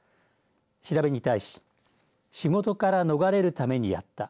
調べに対し仕事から逃れるためにやった。